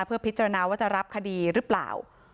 เพื่อพิจารณาว่าจะรับคดีหรือเปล่า